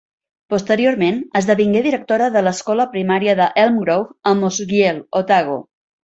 Posteriorment, esdevingué directora de l'escola primària de Elmgrove a Mosgiel, Otago.